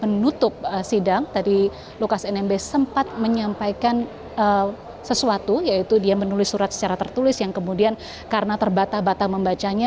menutup sidang tadi lukas nmb sempat menyampaikan sesuatu yaitu dia menulis surat secara tertulis yang kemudian karena terbatah batah membacanya